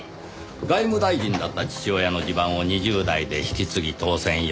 外務大臣だった父親の地盤を２０代で引き継ぎ当選４回。